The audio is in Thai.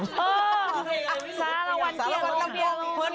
สารวันตรี่ให้ลง